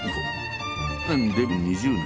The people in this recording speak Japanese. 去年デビュー２０年。